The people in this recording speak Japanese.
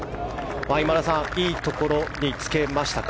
今田さん、いいところにつけましたか？